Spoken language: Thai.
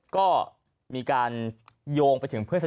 ก็มีการโยงไปถึงเพื่อนสนิท